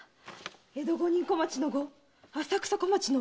「江戸五人小町の五浅草小町のお雪」！